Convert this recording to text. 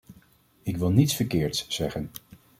Ik wil niets verkeerds zeggen.